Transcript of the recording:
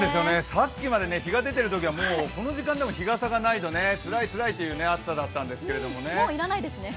さっきまで日が出てるときはこの時間でも日傘がないとつらい、つらいっていう暑さだったんですけどね。